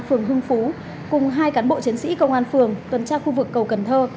phường hưng phú cùng hai cán bộ chiến sĩ công an phường tuần tra khu vực cầu cần thơ